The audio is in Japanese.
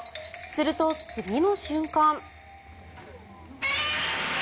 すると、次の瞬間。